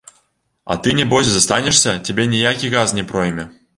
А ты нябось застанешся, цябе ніякі газ не пройме.